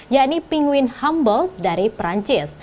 yakni pingwin humboldt dari perancis